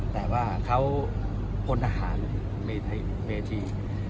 แต่ว่าเขาพลทหารเมธี